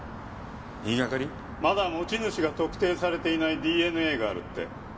まだ持ち主が特定されていないＤＮＡがあるって。